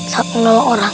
saat menolak orang